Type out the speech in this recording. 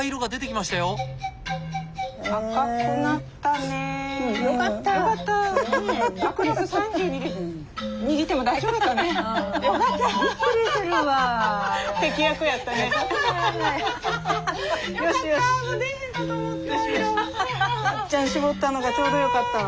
まっちゃん絞ったのがちょうどよかったわ。